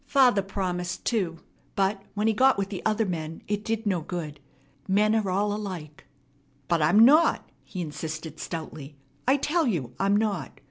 Father promised too; but, when he got with the other men, it did no good. Men are all alike." "But I'm not," he insisted stoutly. "I tell you I'm not.